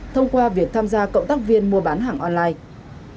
thông qua việc tham gia cộng tác viên mua bán hàng online